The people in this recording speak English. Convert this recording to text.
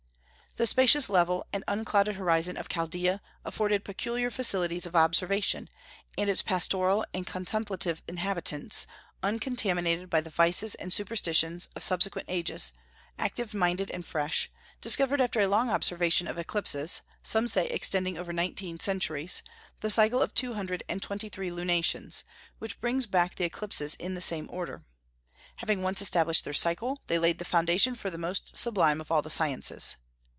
The spacious level and unclouded horizon of Chaldaea afforded peculiar facilities of observation; and its pastoral and contemplative inhabitants, uncontaminated by the vices and superstitions of subsequent ages, active minded and fresh, discovered after a long observation of eclipses some say extending over nineteen centuries the cycle of two hundred and twenty three lunations, which brings back the eclipses in the same order. Having once established their cycle, they laid the foundation for the most sublime of all the sciences.